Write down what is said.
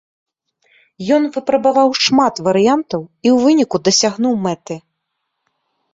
Ён выпрабаваў шмат варыянтаў і ў выніку дасягнуў мэты.